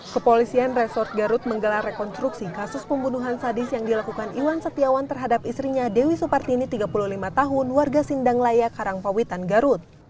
kepolisian resort garut menggelar rekonstruksi kasus pembunuhan sadis yang dilakukan iwan setiawan terhadap istrinya dewi supartini tiga puluh lima tahun warga sindanglaya karangpawitan garut